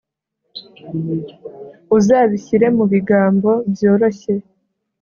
Uzabishyire mubigambo byoroshye